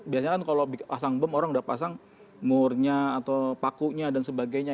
biasanya kan kalau pasang bom orang udah pasang murnya atau pakunya dan sebagainya